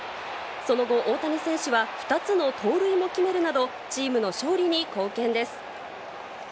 その後、大谷選手は２つの盗塁も決めるなど、チームの勝利に貢献です。